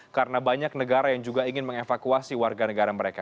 karena banyak negara yang juga ingin mengevakuasi warga negara mereka